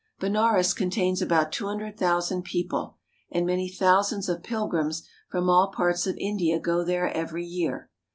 Benares contains about two hundred thousand people, and many thousands of pilgrims from all parts of India go there every year.